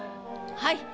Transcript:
はい。